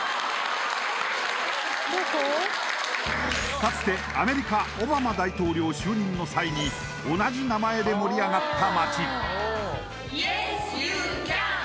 かつてアメリカオバマ大統領就任の際に同じ名前で盛り上がった街イエスユーキャン！